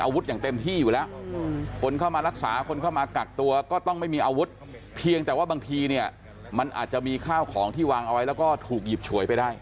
อย่างเต็มที่อยู่แล้วคนเข้ามารักษาคนเข้ามากักตัวก็ต้องไม่มีอาวุธเพียงแต่ว่าบางทีเนี่ยมันอาจจะมีข้าวของที่วางเอาไว้แล้วก็ถูกหยิบฉวยไปได้